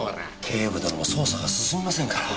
警部殿も捜査が進みませんから。